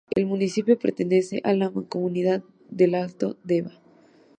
El municipio pertenece a la Mancomunidad del Alto Deva.